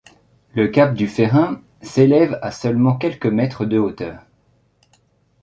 Le cap Dufferin s'élève à seulement quelques mètres de hauteur.